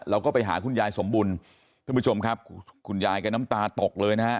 เราก็ไปหาคุณยายสมบุญท่านผู้ชมครับคุณยายแกน้ำตาตกเลยนะฮะ